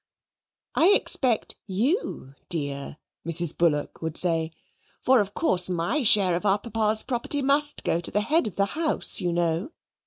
"I expect YOU, dear," Mrs. Bullock would say, "for of course my share of our Papa's property must go to the head of the house, you know.